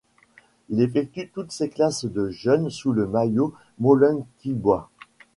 Il effectue toutes ses classes de jeunes sous le maillot molenbeekois.